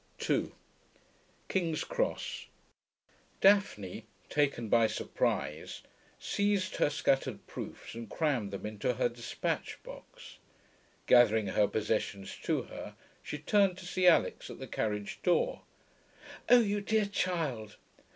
2 King's Cross. Daphne, taken by surprise, seized her scattered proofs and crammed them into her despatch box. Gathering her possessions to her, she turned to see Alix at the carriage door. 'Oh you dear child....